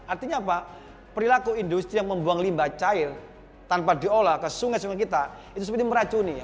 artinya apa perilaku industri yang membuang limba cair tanpa diolah ke sungai sungai kita itu seperti meracuni